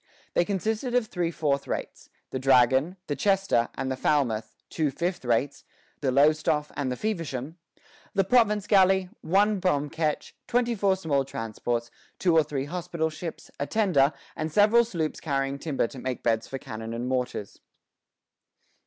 They consisted of three fourth rates, the "Dragon," the "Chester," and the "Falmouth;" two fifth rates, the "Lowestoffe" and the "Feversham;" the province galley, one bomb ketch, twenty four small transports, two or three hospital ships, a tender, and several sloops carrying timber to make beds for cannon and mortars.